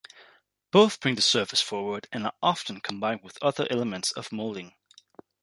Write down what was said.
Both bring the surface forward, and are often combined with other elements of moulding.